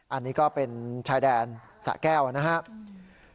อันนี้ก็เป็นชายแดนสะแก้วนะครับ